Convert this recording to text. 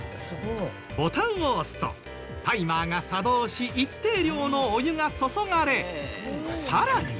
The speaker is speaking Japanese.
ボタンを押すとタイマーが作動し一定量のお湯が注がれさらに。